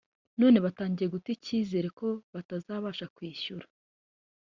none batangiye guta icyizere ko batazabasha kwishyura